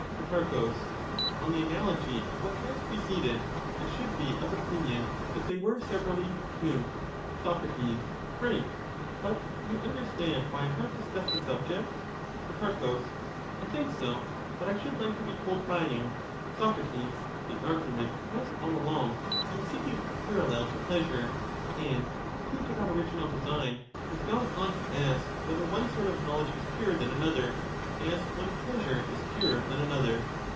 Pro, On the analogy of what has preceded, I should be of opinion that they were severally two. Soc, Right ; but do you understand why I have discussed the subject? Pro, I think so, but I should like to be told by you. Soc, The argument has all along been seeking a parallel to pleasure, and true to that original design, has gone on to ask whether one sort of knowledge is purer than another, as one pleasure is purer than another.